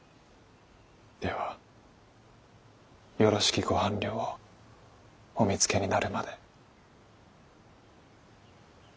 ではよろしきご伴侶をお見つけになるまで。